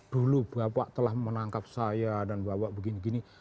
dulu bapak telah menangkap saya dan bapak begini begini